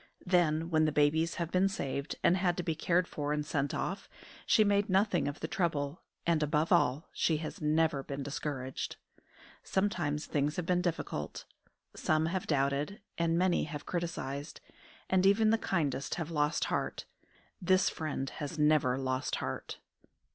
Then, when the babies have been saved and had to be cared for and sent off, she made nothing of the trouble, and above all she has never been discouraged. Sometimes things have been difficult. Some have doubted, and many have criticised, and even the kindest have lost heart. This friend has never lost heart.